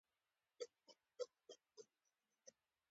چېرته يې؟